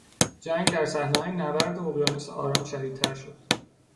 جنگ در صحنههای نبرد اقیانوس آرام شدیدتر شد.